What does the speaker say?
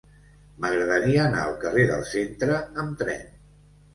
M'agradaria anar al carrer del Centre amb tren.